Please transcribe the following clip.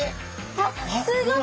あっすごっ。